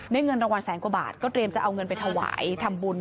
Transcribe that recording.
เงินรางวัลแสนกว่าบาทก็เตรียมจะเอาเงินไปถวายทำบุญ